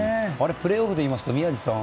プレーオフで言いますと宮司さん